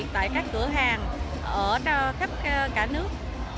tại các cửa hàng ở khắp cả nước